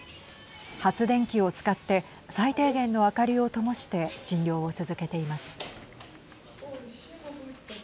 発電機を使って最低限の明かりをともして診療を続けています。